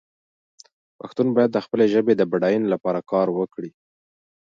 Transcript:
پښتون باید د خپلې ژبې د بډاینې لپاره کار وکړي.